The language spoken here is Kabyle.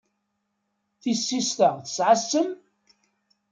Tissist-a tesɛa ssem?